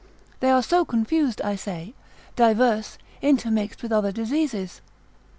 They are so confused, I say, diverse, intermixed with other diseases.